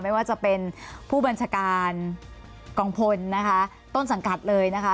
ไม่ว่าจะเป็นผู้บัญชาการกองพลนะคะต้นสังกัดเลยนะคะ